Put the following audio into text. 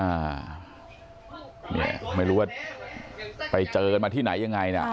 อ่าเนี่ยไม่รู้ว่าไปเจอกันมาที่ไหนยังไงนะ